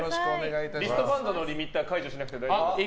リストバンドのリミッター解除しなくて大丈夫ですか。